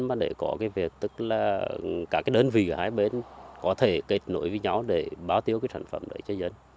mà để có cái việc tức là cả cái đơn vị hai bên có thể kết nối với nhau để bao tiêu cái sản phẩm đấy cho dân